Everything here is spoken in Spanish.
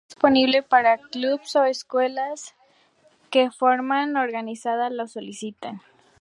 Está disponible para clubes o escuelas que de forma organizada lo soliciten.